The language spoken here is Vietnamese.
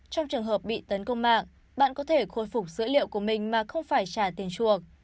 trong trường hợp bị tấn công mạng bạn có thể khôi phục dữ liệu của mình mà không phải trả tiền chuộc